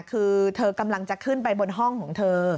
คือเธอกำลังจะขึ้นไปบนห้องของเธอ